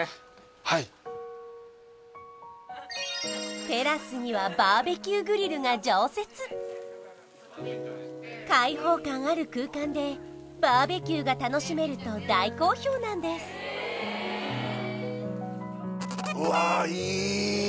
はいテラスにはバーベキューグリルが常設開放感ある空間でバーベキューが楽しめると大好評なんですうわいい！